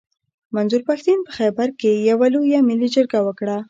منظور پښتين په خېبر کښي يوه لويه ملي جرګه وکړه.